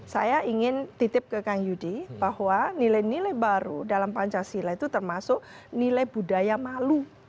saya ingin titip ke kang yudi bahwa nilai nilai baru dalam pancasila itu termasuk nilai budaya malu